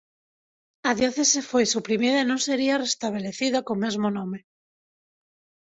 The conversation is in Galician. A diocese foi suprimida e non sería restabelecida co mesmo nome.